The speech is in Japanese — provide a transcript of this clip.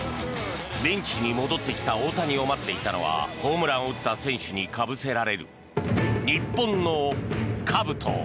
ベンチに戻ってきた大谷を待っていたのはホームランを放った選手にかぶせられる日本のかぶと。